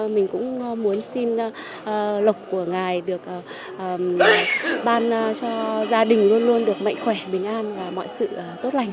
mình cũng muốn xin lộc của ngài được ban cho gia đình luôn luôn được mạnh khỏe bình an và mọi sự tốt lành